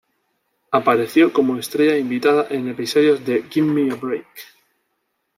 Apareció como estrella invitada en episodios de "Gimme a Break!